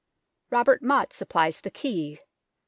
Robert Mot supplies the key.